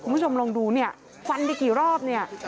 คุณผู้ชมลองดูฟันไปกี่รอบ